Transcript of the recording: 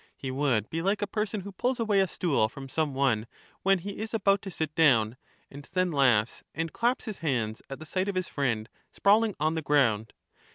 He would be like a person who pulls away a stool from some one when he is about to sit down, and then laughs and claps his hands at the sight EUTHYDEMUS 231 of his friend sprawling on the ground.